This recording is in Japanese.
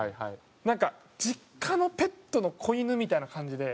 なんか実家のペットの子犬みたいな感じで。